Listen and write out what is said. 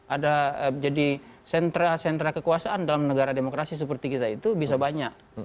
ada jadi sentra sentra kekuasaan dalam negara demokrasi seperti kita itu bisa banyak